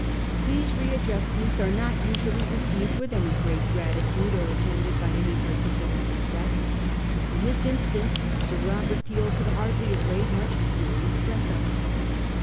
These re adjustments are not usually received with any great gratitude or attended by any particular success. In this instance Sir Robert Peel could hardly have laid much serious stress on them.